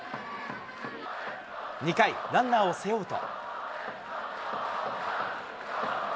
２回、ランナーを背負うと。